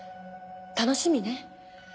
楽しみね。